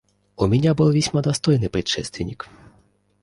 У меня был весьма достойный предшественник.